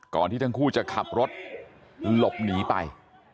ที่ทั้งคู่จะขับรถหลบหนีไป